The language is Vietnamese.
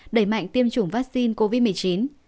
đẩy mạnh tiêm chủng vaccine covid một mươi chín